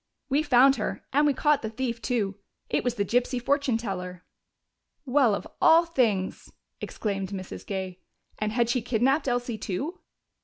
"We found her, and we caught the thief too. It was the gypsy fortune teller." "Well, of all things!" exclaimed Mrs. Gay. "And had she kidnaped Elsie too?"